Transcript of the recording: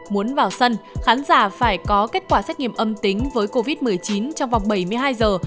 muốn vào sân khán giả phải có kết quả xét nghiệm âm tính với covid một mươi chín trong vòng bảy mươi hai giờ